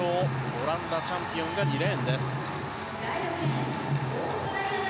オランダチャンピオンが２レーンです。